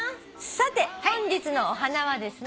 さて本日のお花はですね